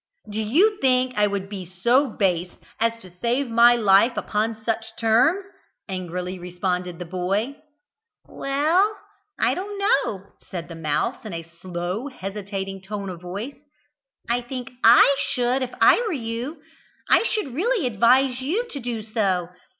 "Do you think I would be so base as to save my life upon such terms?" angrily responded the boy. "Well, I don't know," said the mouse in a slow, hesitating tone of voice, "I think I should, if I were you. I should really advise you to do so.